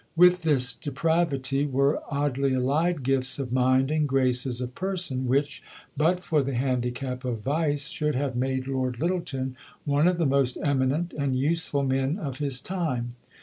With this depravity were oddly allied gifts of mind and graces of person, which, but for the handicap of vice, should have made Lord Lyttelton one of the most eminent and useful men of his time.